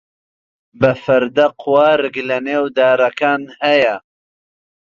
بە فەردە قوارگ لەنێو دارەکان هەیە.